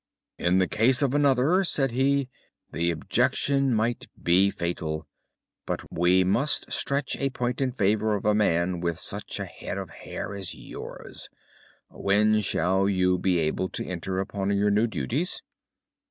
"'In the case of another,' said he, 'the objection might be fatal, but we must stretch a point in favour of a man with such a head of hair as yours. When shall you be able to enter upon your new duties?